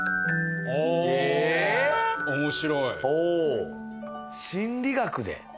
ああ面白い心理学で？